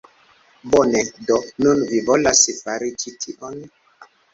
Bone, do, nun mi volas fari ĉi tion!